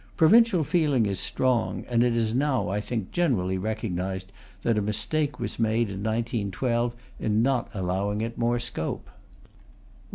Provincial feeling is strong, and it is now, I think, generally recognized that a mistake was made in 1912 in not allowing it more scope.